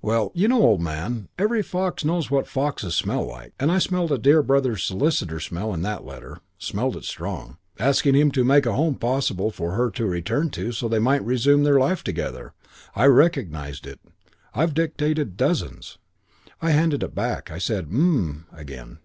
Well, you know, old man, every fox knows what foxes smell like; and I smelt a dear brother solicitor's smell in that letter. Smelt it strong. Asking him to make a home possible for her to return to so they might resume their life together. I recognised it. I've dictated dozens. "I handed it back. I said, 'H'm' again.